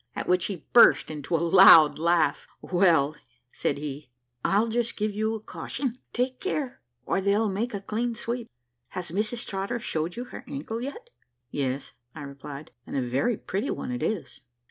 At which he burst into a loud laugh. "Well," said he, "I'll just give you a caution. Take care, or they'll make a clean sweep. Has Mrs Trotter shown you her ankle yet?" "Yes," I replied, "and a very pretty one it is."